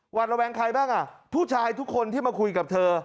ระแวงใครบ้างอ่ะผู้ชายทุกคนที่มาคุยกับเธอ